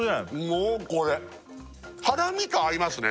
もうこれハラミと合いますね